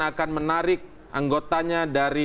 akan menarik anggotanya dari